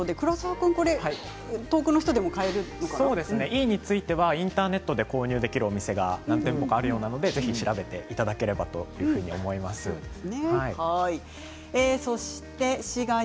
飯いいについてはインターネットで購入できるお店が何店舗かあるみたいなのでぜひ調べていただければと思います。